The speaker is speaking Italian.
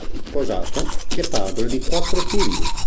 Sposato, è padre di quattro figli.